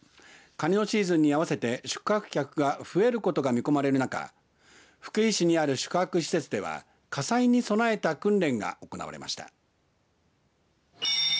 かにのシーズンに合わせて宿泊客が見込まれる中福井市にある宿泊施設では火災に備えた訓練が行われました。